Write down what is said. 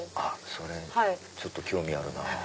それちょっと興味あるなぁ。